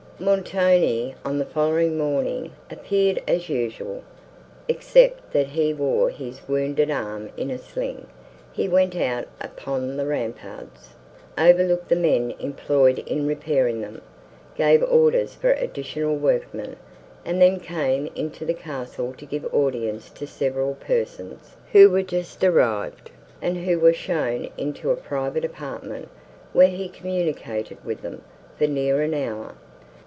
Montoni, on the following morning, appeared as usual, except that he wore his wounded arm in a sling; he went out upon the ramparts; overlooked the men employed in repairing them; gave orders for additional workmen, and then came into the castle to give audience to several persons, who were just arrived, and who were shown into a private apartment, where he communicated with them, for near an hour.